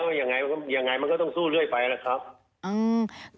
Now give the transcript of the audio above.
อย่างไรมันก็ต้องสู้เรื่อยไปแหละครับ